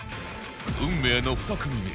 運命の２組目